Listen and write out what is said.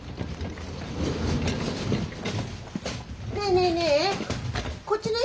ねえねえねえ。